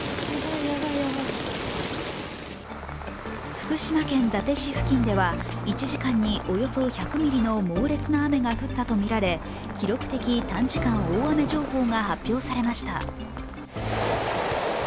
福島県伊達市付近では１時間におよそ１００ミリの猛烈な雨が降ったとみられ記録的短時間大雨情報が発表されました。